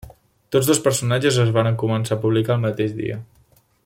Tots dos personatges es varen començar a publicar el mateix dia.